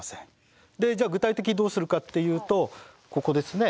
でじゃあ具体的にどうするかっていうとここですね。